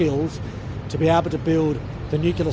untuk membina kapal nuklir